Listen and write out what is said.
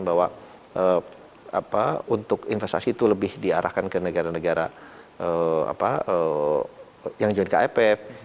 bahwa untuk investasi itu lebih diarahkan ke negara negara yang jualan ke ipf